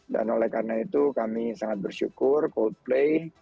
dan oleh karena itu kami sangat bersyukur coldplay